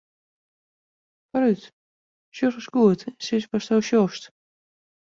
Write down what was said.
Foarút, sjoch ris goed en sis my watsto sjochst.